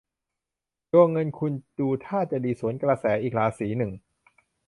ดวงเงินคุณดูท่าจะดีสวนกระแสอีกราศีหนึ่ง